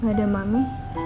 nggak ada mami